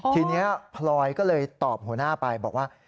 ทีนี้พลอยก็เลยตอบหัวหน้าไปบอกว่า